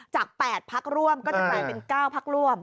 จาก๘พักร่วมก็จะกลายเป็น๙พักร่วม